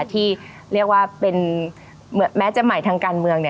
ที่เรียกว่าเป็นแม้จะใหม่ทางการเมือง